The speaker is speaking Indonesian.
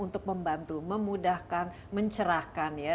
untuk membantu memudahkan mencerahkan ya